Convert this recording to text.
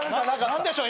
何でしょう？